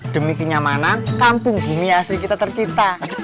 demi kenyamanan kampung bumi asli kita tercipta